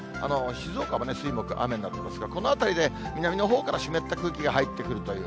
静岡も水、木、雨になりますが、このあたりで南のほうから湿った空気が入ってくるという。